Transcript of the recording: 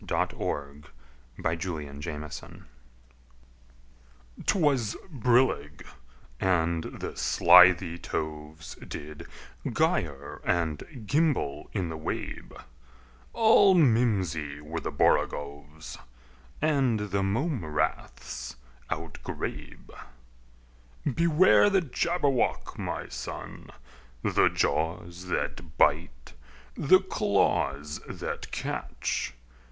" Lexicon[edit] "Jabberwocky" 'Twas brillig, and the slithy toves Did gyre and gimble in the wabe; All mimsy were the borogoves, And the mome raths outgrabe. "Beware the Jabberwock, my son! The jaws that bite, the claws that catch!